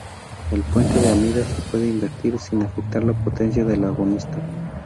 El puente de amida se puede invertir sin afectar la potencia del agonista.